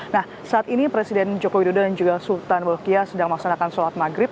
nah saat ini presiden jokowi dodo dan juga sultan al balkiyah sedang mengaksanakan sholat maghrib